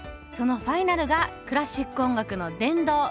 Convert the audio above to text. そのファイナルがクラシック音楽の殿堂